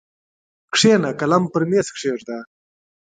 کښېنه قلم پر مېز کښېږده!